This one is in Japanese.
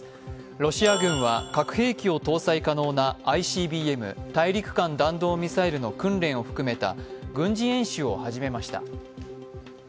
ロシア軍は核兵器を搭載可能なＩＣＢＭ＝大陸間弾道ミサイルの訓練を含めた軍事演習を始めました。